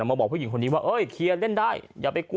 มาบอกผู้หญิงคนนี้ว่าเอ้ยเคลียร์เล่นได้อย่าไปกลัว